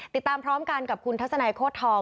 ติดตามพร้อมกันกับคุณทัศนัยโคตรทอง